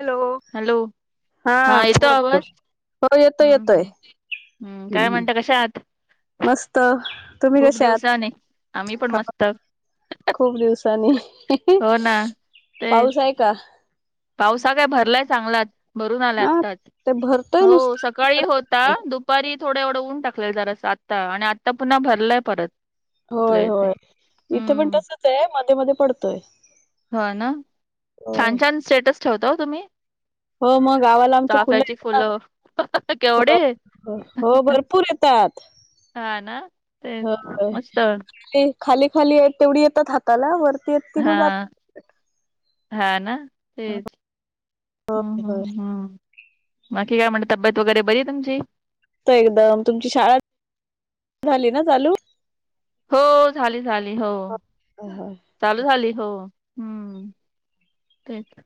Hello. Hello. हा येतो बोल बोल आवाज,, हो येतोय हम्म येतोय हम् हम्म, काय म्हणताय कशा आहात? मस्त. तुम्ही खूप कशा आहात दिवसाने, आम्ही पण मस्त. खूप दिवसांनी,, हो ना ते पाऊस आहे का? पावसा काय भरलाय चांगलाच, भरून आला हा आताच, ते भरतोय हो नुसतं सग- -काळी होता, दुपारी थोडं एवढं ऊन टाकलेलं जरासं आत्ता, आणि आत्ता पुन्हा भरलंय परत. इथल्या होय इथे होय, इथे पण हम्म तसंच आहे मध्ये मध्ये पडतोय. हो ना,, छान होय छान स्टेटस ठेवता ओ तुम्ही. हो मग गावाला आमच्या चाफ्याची आहेत ना फुलं, केवढी आहे हो भरपूर येतात. हा ना. तेच हं हं, मस्त ती खाली खाली हायत तेवढी येतात हातात हाताला, वरती येत ती हा मग हा ना तेच हम्म हम्ऊ हम्म, बाकी काय म्हण तब्येत वगैरे बरी आहे तुमची? -एकदम, तुमची शाळा झाली ना चालू? हो झाली झाली हो चालू झाली हो, हम्म तेच.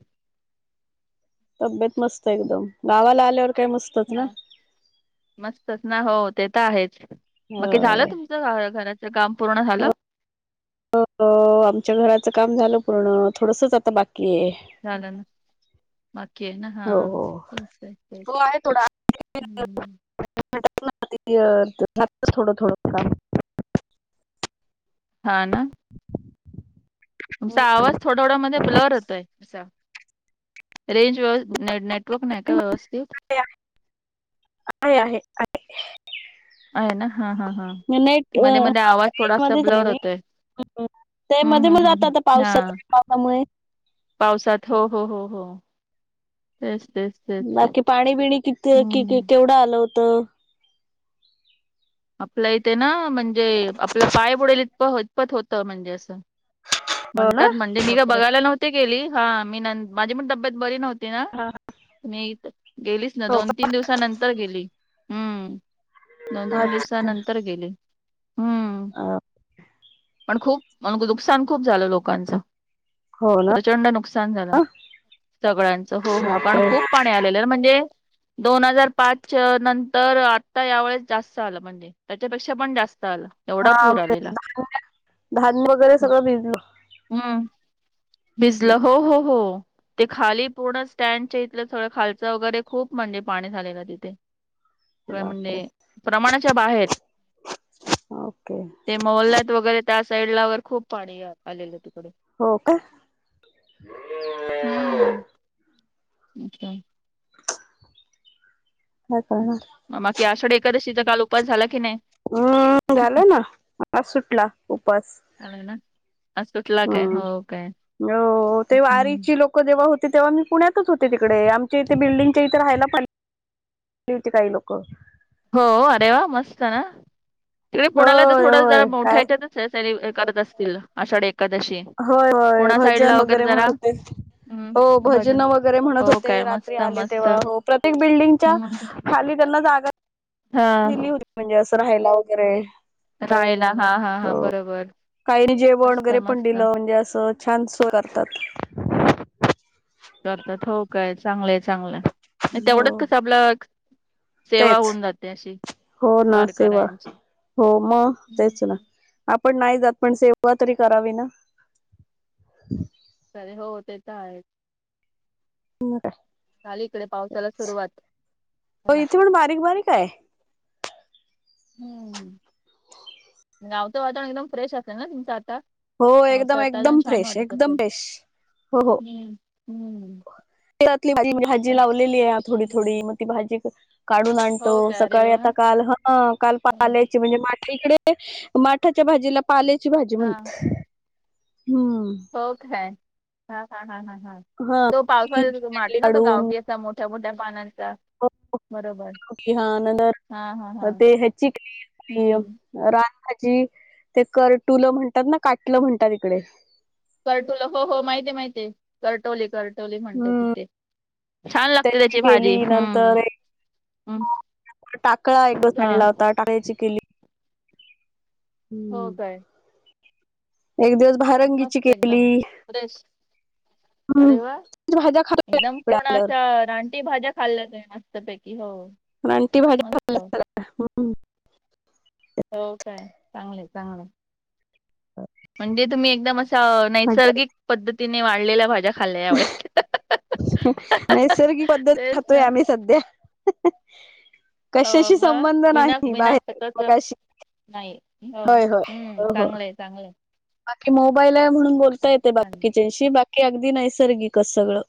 तब्येत मस्त एकदम,, गावाला आल्यावर काय मस्त हा, मस्तच ना हो ते तर आहेच, मग कि झालं होय तुम घराचं काम पूर्ण झालं?? हो हो, आमच्या घराचं काम झालं पूर्ण, थोडसचं आता बाकी आहे. झालं ना, बाकी आहे ना, हो हा, हो तेच, तेच, तेच हो! आहे थोडा. हम्म! [inaudible] हा, ना! तुमचा आवाज थोडा थोडा मध्ये ब्लर होतोय, असा रेंज व नट नेटवर्क नाही का व्यवस्थित? आहे, आहे, आहे. आहे ना, हा, हा, हा मी नेट मध्ये, मध्ये आवाज थोडासा मध्ये झाले ब्लर मी होतोय. ते हम्म मध्ये, मध्ये हम्म हम्म जातं हम्म. आता पावसात हा पावसामुळे पावसात हो, हो, हो, हो तेच, तेच. तेच बाकी पाणी, बिणी, किती की हम्म केवढं आलं होतं? आपल्या इथे ना, म्हणजे आपलं पाय बुडेल इतप इतपत होत म्हणजे असं. हो ना म्हणतात. म्हणजे मी काय बापरे बघायला नव्हती गेली, हा मी नं माझी पण तब्येत बरी नव्ह ते ना, मी हित गेलीच नाही. हो का? दोन तीन दिवसानंतर गेली. हम्म! दोन - तीन अच्छा दिवसानंतर गेले. हम्म! [unintelligible] पण खूप, नुकसान खूप झालं लोकांचं. हो ना प्रचंड नुकसान झालं. सगळ्यांचं, हो, हो कारण बापरे खूप पाणी आलेल. म्हणजे, दोन हजार पाच नंतर आता या वेळेस जास्त आलं पाणी. त्याच्यापेक्षा पण जास्त आलं. एवढा पूर आलेला [unintelligible] धान्य वगैरे सगळं भिजलं. हम्! भिजलं हो, हो, हो. ते खाली पूर्ण, स्टँडच्या इथलं थोडं खालच वगैरे खूप म्हणजे, पाणी झालेलं तिथे. म्हणजे बापरे प्रमाणाच्या बाहेर. ओके [unintelligible] त्या साईड ला वर खूप पाणी आलेलं तिकडं. हो का! हम्म! अच्छा! काय करणार बाकी, आषाढ एकादशीचा काल उपास झाला की, नाही? हम्म! झालं ना आज सुटला उपास. [unintelligible] सुटला काय हम्! हो काय हो ते हम्म वारीची लोक जेव्हा होते तेव्हा मी पुण्यातच होते तिकडे, आमच्या इथे बिल्डंगच्या इथे राहायला पण गेलती काही लोकं. हो, अरे वा! मस्त ना पुण्याला तर होय थोडं जरा होय काय मोठ्याच्यात. ते सेलिब्रे करत असतील आषाढी एकादशी. होय, होय पुणा साईडला भजन वगैरे जरा म्हणतं आहेत. हो, भजन वगैरे म्हणत हो काय होते. रात्री मस्त आले मस्त तेव्हा हो, प्रत्येक बिल्डिंगच्या हम्म खाली त्यांना जागा हा दिली होती. म्हणजे असं राहायला वगैरे. रायला हा हा हा हो, बरोबर काही जेवण मस्त वगैरे पण मस्त दिलं म्हणजे असं छान सोय करतात. करतात. हो काय! चांगलंय, चांगलंय, तेवढंच हो कसं आपलं सेवा तेच! होऊन जाते अशी हो ना सेवा, वारकऱ्यांची हो मग हम्म, तेच ना. हम्म. आपण नाही जात पण सेवा तरी करावी ना. अरे हो, ते त आहेच. म काय, झाली इकडे पावसाला काच, सुरुवात हो मला इथं पण बारीक बारीक आहे. हम्म. गावचं वातावरण एकदम फ्रेश असेल न तुमच आता? हो, एकदम पावसाळ्यात तर अजून एकदम छान फ्रेश, वाटत एकदम असेल फेश, हो हो. हम्म हम्म. [unintelligible] भाजी लावलेली आहे थोडी अच्छा, थोडी अच्छा. मग ती भाजी काढून आणतो. हो काय अरे सकाळी वा आता काल ह काल पाल्याची म्हणजे माठं इकडे माठाच्या भाजीला पाल्याची भाजी हा म्हणतात. हम्म. हो काय.. हा हा हा हा हा तो पावसाळ्यात येतो तो माठ न. तो गावठी असं..... त्या मोठ्या मोठ्या पानांच्या [unintelligible] हा हा हा हा ते हचीक- हम्म [unintelligible] रानभाजी, ते करटुलं म्हणतात न, काटलं म्हणतात इकडे. कर्टुलं, हो हो, माहिती माहितीये. कर्टवले कर टवले म्हणतात हम्म इथे. छान लागते त्याची भाजी. केली नंतर हम्म. हम्म. [unintelligible] टाकळा एक दिवस हा आणला होता, टाकळ्याची केली. हो हम्म. काय. एक दिवस भारंगीची मस्त केली. एकदम फ्रेश, हम्म. अरे वा! भाज्या ! खातो एकदम इकडे पूर्ण अशा आल्यावर रानटी भाज्याच खाल्ल्या त्या मस्तपैकी. हो. रादटी मस्त भाज्या. [unintelligible] हो काय.. चांगलंय, चांगलंय. ह. म्हणजे तुम्ही एकदम अशा नैसर्गिक पद्धतीने वाढलेल्या भाज्या. खाल्ल्या अ यावेळेस ह्य.. नैसर्गिक पद्धत तेच खातोय ना आम्ही सध्या. हह.. हो कशाशी मग संबंध बिना नाही बिना बाहेर खताच मगाशी. नाही, हो, हम्म... चांगलंय, चांगलंय. बाकी मोबाईल आहे म्हणून बोलता छान येते छान बाकीच्याशी बाकी नैसर्गिकच सगळं.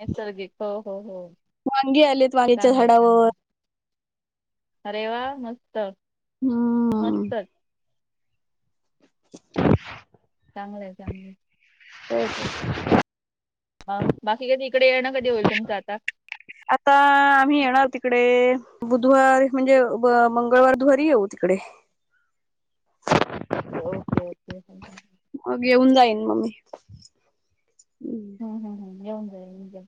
नैसर्गिक. हो हो हो. वांगी आलेत वांग्याच्या चांगलंय झाडावर. चांगलंय अरे... वा! ! मस्त.., हम्म. मस्तच., चांगलंय... चांगलं. य.. हो [unintelligible] हा, बाकी कधी इकडे येणं कधी होईल, तुमचं आता? आता, आम्ही येणार आहो तिकडे, बुधवार म्हणजे ब मंगळवार, बुधवारी येऊ. तिकडे.... [inaudible] [inaudible] [inaudible] मग येऊन जाईन म मी. हं. हंहंहं येऊन जा, येऊन जा.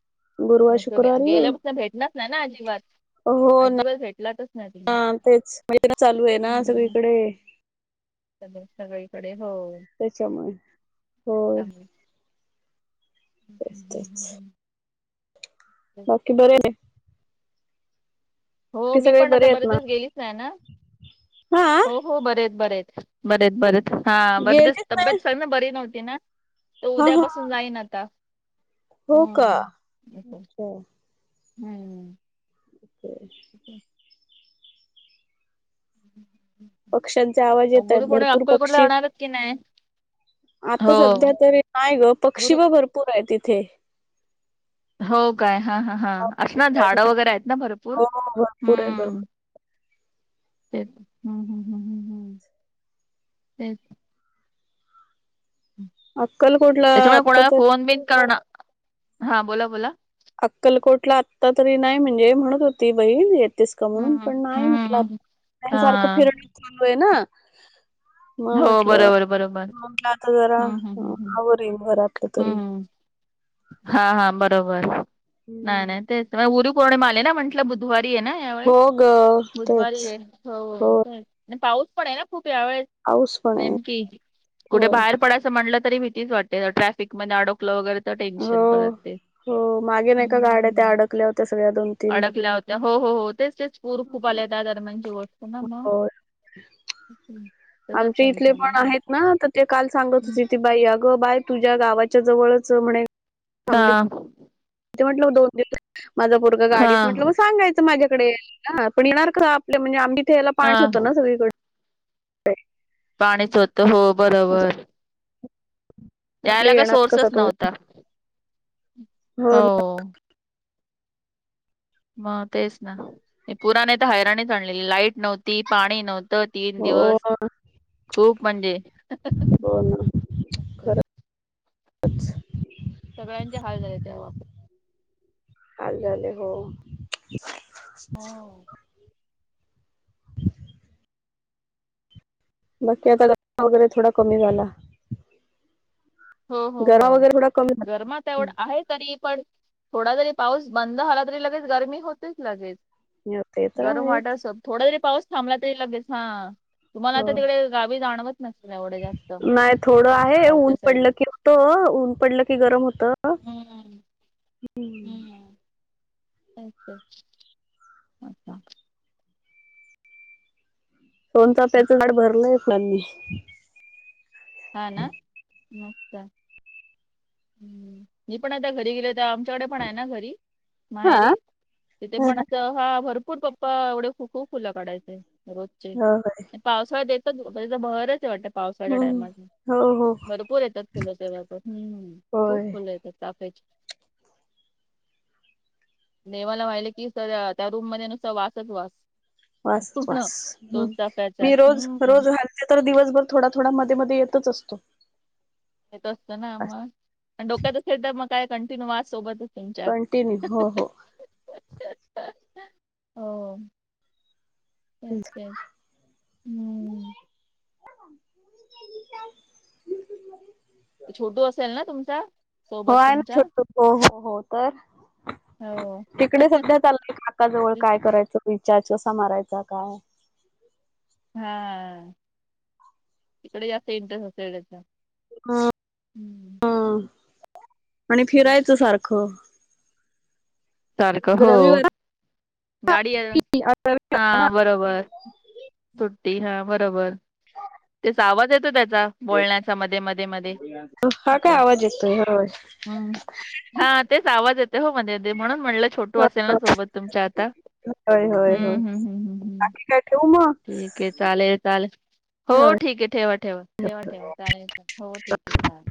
गुरुवार मं तुम्ही, शुक्रवारी गेल्यापासनं भेटलाच नाही ना अजिबात. अ हो... ना... अजिबात भेटलातच नाही तुम्ही [inaudible] तेच. चालूये ना हम्म. सगळीकडे. सगळीकडे. हो त्याच्यामुळे.... होय. चांगले तेच... हम्म, हम्म, तेच... हम्म. तेच. बाकी बर आहे.... हो.. बाकी मी सगळे पण आता बरे आहेत बरेच ना दिवस गेलीच नाही ना, हा हो.... हो... बरेत, बरेेत, बरेच, बरच हा बरस गेलेच नाही तब्येत सांग ना बरी नव्हती ना? तो हा हा उद्यापासून जाईन आता... हो का... हम्म हम्म..... ठी [unintelligible] [inaudible] अे [inaudible] [inaudible] पक्ष्यांचे आवाज येत आहेत गुरुपोर्णिला भरपूर अक्कलकोटला पक्षी जाणारच कि नाही? आता हो सध्या तरी नाही ग पक्षी गुरु व भरपूर आहे, तिथे हो काय, हा... हा... हा... असं ना झाडं वगैरे आहेत. ना भरपूर हो... भरपूर आहे. हम्म भरपूर तेच, हम्... हम्... हम्म... हम्... हम्... तेच अक्कलकोटला त्याच्यामुळे, आत्ता कोणाला तर फोन बिन करणार. हा बोला.. बोला.... अक्कलकोटला आत्ता तरी नाही. म्हणजे, म्हणत होती बहीण येत तेस का म्हणून, हम्म पण नाही हम्म हम्म. म्हटलंसारखं हा फिरण चालू आहे. ना मग हो म्हटलं. बरोबर बरोबर म्हटलं आता जरा हम्म हम्म हम्म हम्म आवर येईल घरातलं तरी हम्म हा... हा... बरोबर नाही.. हम्म. नाही.. तेच- गुरु पोर्णिमा आली ना म्हटलं बुधवारी आहे ना? त्यामुळे हो ग तेच बुधवारी आहे. हो पाऊस पण आहे ना खूप. यावेळेस पाऊस पण आहे नेमकी, कुठे होय बाहेर पडायचं म्हटलं, तरी भीतीच वाटते्. पीक अडकल वगैरे तर हो टेन्शन परत ते. हो मागे नाही का, गाड्या त्या हम्म. अडकल्या होत्या. सगळ्या दोन, तीन, अडकल्या होत्या हो... हो... हो. तेच.. तेच... पूर खूप आल्या त्या दरम्यानची गोष्ट ना मग त्याच आमचे इथले टेन्शन पण नाही आहेत ना, तर ते काल सांगत होते बाई, अगं बाय, तुझ्या गावाच्या जवळच म्हणे.... हा..... थांबली ते म्हटलं, दोन दिवस माझा भरं हा गाडीत म्हटलं मग सांगायचं, माझ्याकडे ना, पण येणार का? म्हणजे, आमतेथ याला हा पाण होतो, ना सगळीकडे. पाणीच होत, हो.... असं बरोबर म्हटलं त्याला, काही येणार कसा सोर्सेस तो नव्हता. हो...... मग, तेच ना ते पुराने तर आणलेली लाईट नव्हती. पाणी नव्हती तीन हो दिवस ना खूप म्हणजे? खरंच.... सगळ्यांचे हाल झाले. त्या बाबतीत हाल झालंय हो. हो बाकी आता द वगैरे थोडा कमी झाला. हो हो हो गरम वगैरे थोडा कमी झाला गरमच तेवढ आहे तरी पण थोडा जरी पाऊस बंद झाला तरी लगेच गरमी होतीच लगेच हम्म, ते तर गरम आहेच वाटत असेल थोडा जरी पाऊस थांबला तरी लगेच हां तुम्हाला आता हो. तिकडे गावी जाणवत- [inaudible] नाही थोडं आहे ऊन गावच्या पडलं साईडला की त ऊन पडलं की गरम होत. हम्म हम्म तेच अच्छा सोन ओके. चाफ्याच झाड भरलंयल फुलांनी हा ना मी पण आता घरी गेलो दाम च्याडे पण ना घरी हा माहेरी तिथे पण अस हा भरपूर पप्पा एवढे खूप फुलं काढायचंय ह का पावसाळ्यात येतात तर बहरच वाटतं हम्म. पावसाळच्या हो हो भरपूर येतात फुलं हम् खूप होय फुलं येतात चाफ्याची देवाला वाहिले की सर त्या रूम मध्ये नुसता वासच वास वास च पूर्ण वास दोन चाफ्याचा मी रोज, हम्म रोज घाल ते तर दिवसभर थोडा, थोडा मध्ये, मध्ये येतच असतो असतं ना मग डोक्यात असेल तर मग काय कंटिन्यू वास सोबत कंटिन्यू हो, हो [unintelligible] हम [inaudible] छोटू असेल ना तुमचा हो सोबत आहे ना तुमच्या छोटू हो हो हो तर हो तिकडे सध्यात आलाय काकाजवळ करायचं रीचार्ज मारायचा काय हा तिकडे जास्त इंटरेस्ट असेल हा, हम्म. हा आणि तेच. फिरायचं सारखं सारख हो रविवार गाडी की हा बरोबर सुट्टी हा बरोबर त्याचा आवाज येतो त्याचा बोलण्याचा मध्ये, मध्ये, मध्ये हा [unintelligible] हम्म हा तेच आवाज येते हो मध्ये म्हणून म्हटलं छोटू होय असेल ना सोबत तुमच्या आता होय होय होय हम्म, हम्म बाकी काय ठेऊ मग ठीक आहे चालेल, चालेल हो होय ठीक आहे ठेवा, ठेवा ठेवा, ठेवा चालेल हो ठीक आहे